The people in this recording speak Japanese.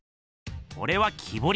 これは木ぼり。